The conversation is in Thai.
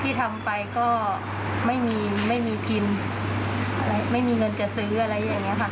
ที่ทำไปก็ไม่มีไม่มีกินไม่มีเงินจะซื้ออะไรอย่างนี้ค่ะ